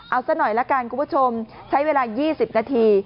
เอาซะหน่อยละกันคุณผู้ชมใช้เวลา๒๐นาที